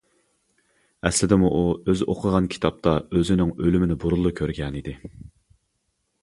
ئەسلىدىمۇ ئۇ ئۆزى ئوقۇغان كىتابتا ئۆزىنىڭ ئۆلۈمىنى بۇرۇنلا كۆرگەنىدى.